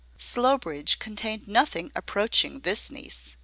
Slowbridge contained nothing approaching this niece.